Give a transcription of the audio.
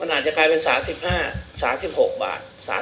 อาจจะกลายเป็น๓๕๓๖บาท